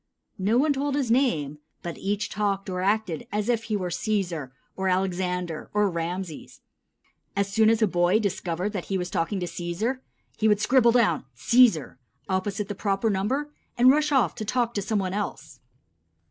No one told his name, but each talked or acted as if he were Cæsar, or Alexander, or Rameses. As soon as a boy discovered that he was talking to Cæsar, he would scribble down "Cæsar" opposite the proper number and rush off to talk to same one else.